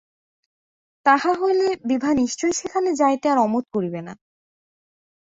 তাহা হইলে বিভা নিশ্চয়ই সেখানে যাইতে আর অমত করিবে না।